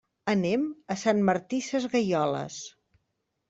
Anem a Sant Martí Sesgueioles.